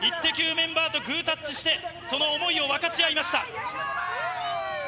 メンバーとグータッチして、その思いを分かち合いました。